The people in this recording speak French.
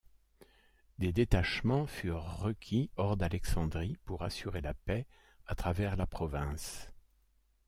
Des détachements furent requis hors d’Alexandrie pour assurer la paix à travers la province.